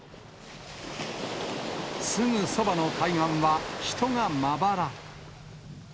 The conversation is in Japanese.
すぐそばの海岸は人がまばら。